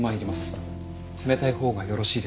冷たいほうがよろしいですよね。